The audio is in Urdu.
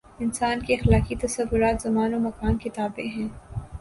انسان کے اخلاقی تصورات زمان و مکان کے تابع ہیں۔